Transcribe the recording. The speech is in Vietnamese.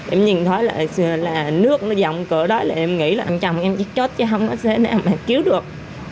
em nhìn thấy là nước nó dòng cửa đói là em nghĩ là chồng em chết chết chứ không có thể nào mà cứu được